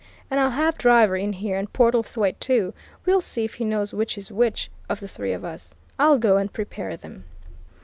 And I'll have Driver in here, and Portlethwaite, too; we'll see if he knows which is which of the three of us. I'll go and prepare them."